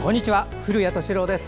古谷敏郎です。